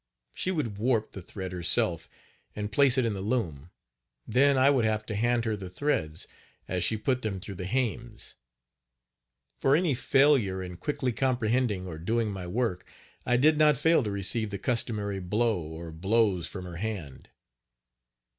She would warp the thread herself and place it in the loom, then I would have to hand her the threads, as she put them through the hames. For any failure in quickly comprehending or doing my work, I did not fail to receive the customary blow, or blows, from her hand.